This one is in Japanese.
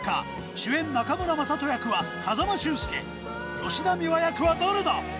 主演、中村正人役は風間俊介、吉田美和役は誰だ？